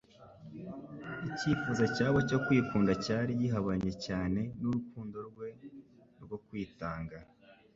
icyifuzo cyabo cyo kwikunda cyari gihabanye cyane n'urukundo rwe rwo kwitanga.